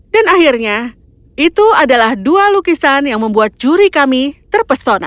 dan akhirnya itu adalah dua lukisan yang membuat juri kami terpesona